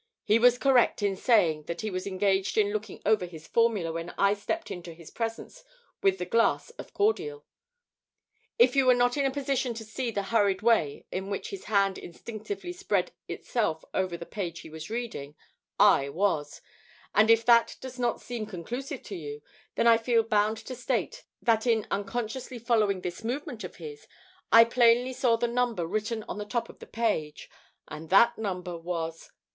He was correct in stating that he was engaged in looking over his formula when I stepped into his presence with the glass of cordial. If you were not in a position to see the hurried way in which his hand instinctively spread itself over the page he was reading, I was; and if that does not seem conclusive to you, then I feel bound to state that in unconsciously following this movement of his, I plainly saw the number written on the top of the page, and that number was 13."